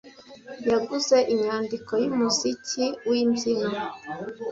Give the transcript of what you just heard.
Yaguze inyandiko yumuziki wimbyino.